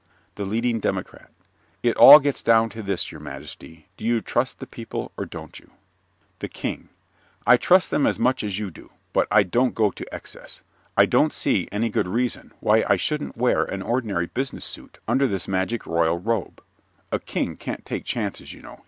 THE LEADING DEMOCRAT It all gets down to this, your majesty: do you trust the people, or don't you? THE KING I trust them as much as you do, but I don't go to excess. I don't see any good reason why I shouldn't wear an ordinary business suit under this magic royal robe. A King can't take chances, you know.